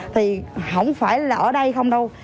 thì không phải là ở đây không đâu